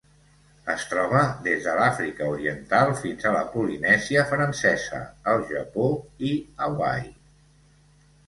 Es troba des de l'Àfrica Oriental fins a la Polinèsia Francesa, el Japó i Hawaii.